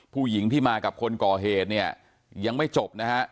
ผู้หญิงที่มากับคนก่อเหตุยังไม่จบ